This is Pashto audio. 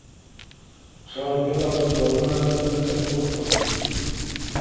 چای بېلابېل ډولونه لري لکه تور او شین.